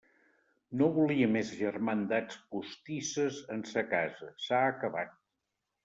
No volia més germandats postisses en sa casa: s'ha acabat.